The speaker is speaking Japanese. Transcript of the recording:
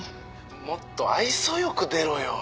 もっと愛想よく出ろよ。